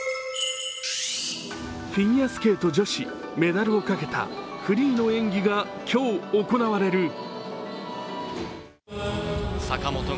フィギュアスケート女子メダルをかけたフリーの演技が今日、行われる。